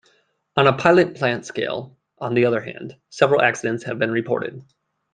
On a pilot plant scale, on the other hand, several accidents have been reported.